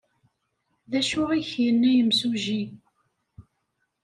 D acu ay ak-yenna yemsujji?